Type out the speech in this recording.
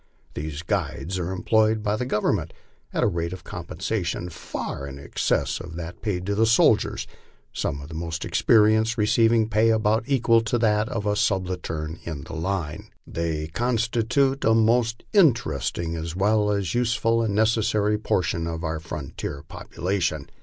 These guides are employed by the government at a rate of compensation far in excess of that paid to the soldiers, some of the most experienced receiving pay about equal to that of a subaltern in the line. They constitute a most interesting as well as useful and necessary portion of our frontier population.